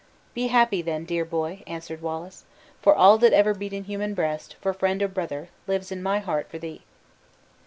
"Be happy then, dear boy!" answered Wallace; "for all that ever beat in human breast, for friend or brother, lives in my heart for thee."